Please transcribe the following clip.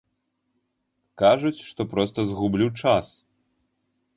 Кажуць, што проста згублю час.